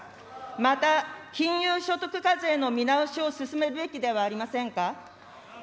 また金融所得課税の見直しを進めるべきではありませんか。